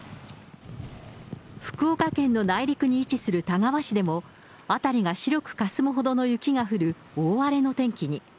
福岡県の内陸に位置する田川市でも、辺りが白くかすむほどの雪が降る大荒れの天気に。